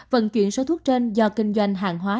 vận chuyển số thuốc trên do kinh doanh hàng hóa